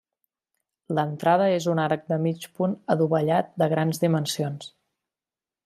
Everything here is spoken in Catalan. L'entrada és un arc de mig punt adovellat de grans dimensions.